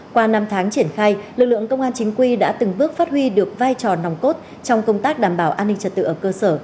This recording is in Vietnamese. qua năm tháng triển khai lực lượng công an chính quy đã từng bước phát huy được vai trò nòng cốt trong công tác đảm bảo an ninh trật tự ở cơ sở